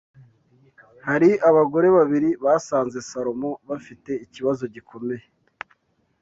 hari abagore babiri basanze Salomo bafite ikibazo gikomeye